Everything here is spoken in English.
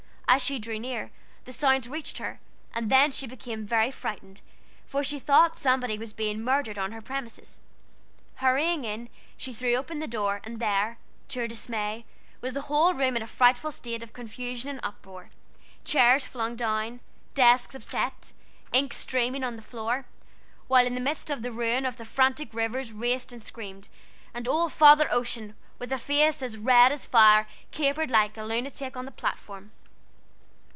As she drew near, the sounds reached her, and then she became really frightened, for she thought somebody was being murdered on her premises. Hurrying in, she threw open the door, and there, to her dismay, was the whole room in a frightful state of confusion and uproar: chairs flung down, desks upset, ink streaming on the floor; while in the midst of the ruin the frantic rivers raced and screamed, and old Father Ocean, with a face as red as fire, capered like a lunatic on the platform.